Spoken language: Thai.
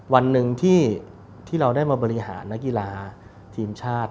วันหนึ่งที่เราได้มาบริหารนักกีฬาทีมชาติ